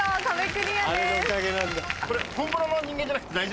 これ本物の人間じゃなくて大丈夫ですか？